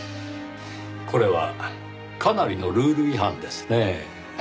これはかなりのルール違反ですねぇ。